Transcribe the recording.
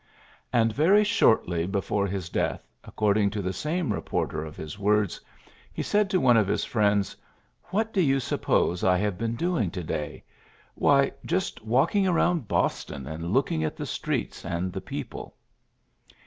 '^ And very shortly before his death, according to the same reporter of his words, he said to one of his friends, ^^ What do you suppose I have been do ing to day? Why, just walking around Boston and looking at the streets and the people.